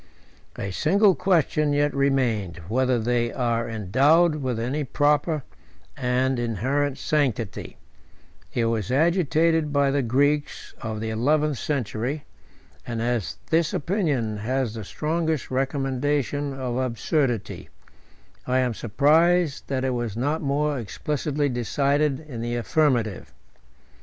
A single question yet remained, whether they are endowed with any proper and inherent sanctity; it was agitated by the Greeks of the eleventh century; 81 and as this opinion has the strongest recommendation of absurdity, I am surprised that it was not more explicitly decided in the affirmative.